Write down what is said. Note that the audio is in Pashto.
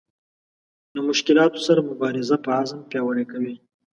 له مشکلاتو سره مبارزه په عزم پیاوړې کوي.